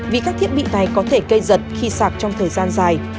vì các thiết bị này có thể cây giật khi sạp trong thời gian dài